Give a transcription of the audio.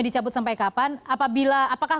dicabut sampai kapan apakah